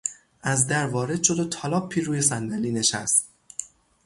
از در وارد شد و تالاپی روی صندلی نشست.